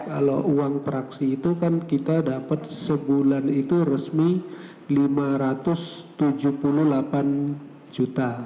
kalau uang praksi itu kan kita dapat sebulan itu resmi rp lima ratus tujuh puluh delapan juta